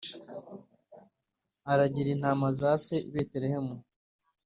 aragira intama za se i Betelehemu.